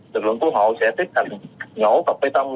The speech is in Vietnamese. lực lượng cứu hộ sẽ tiếp hành ngổ cọc bê tông